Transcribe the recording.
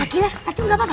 akilah pati gak apa apa